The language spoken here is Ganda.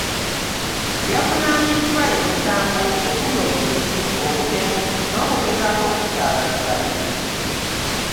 Yavunaaniddwa emisango okuli; obutujju, obutemu, n'okugezaako okutta abantu babiri